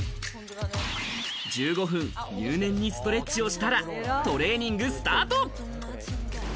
１５分、入念にストレッチをしたらトレーニングスタート。